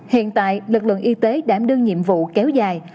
hiện tại lực lượng y tế đã đưa nhiệm vụ kéo dài